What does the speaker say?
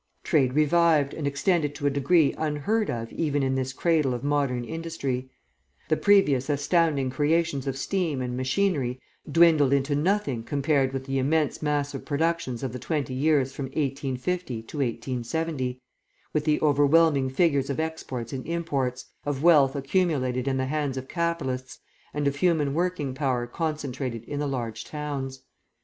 Trade revived and extended to a degree unheard of even in this cradle of modern industry; the previous astounding creations of steam and machinery dwindled into nothing compared with the immense mass of productions of the twenty years from 1850 to 1870, with the overwhelming figures of exports and imports, of wealth accumulated in the hands of capitalists and of human working power concentrated in the large towns.